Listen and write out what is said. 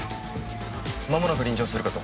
まもなく臨場するかと。